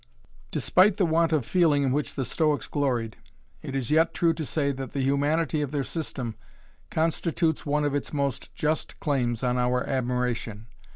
Despite the want of feeling in which the Stoics gloried, it is yet true to say that the humanity of their system constitutes one of its most just claims on our admiration.